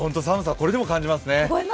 これでも感じますね。